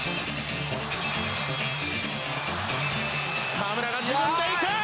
河村が自分で行く！